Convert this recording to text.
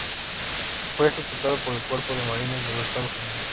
Fue ejecutado por el Cuerpo de Marines de los Estados Unidos.